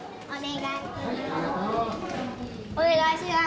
お願いします。